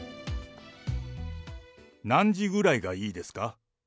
何時ぐらいがいいですか？